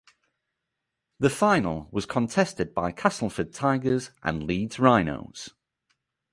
The final was contested by Castleford Tigers and Leeds Rhinos.